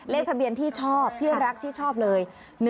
เลขทะเบียนที่ชอบที่รักที่ชอบเลย